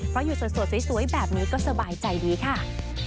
เพราะอยู่สดสวยแบบนี้ก็สบายใจดีค่ะ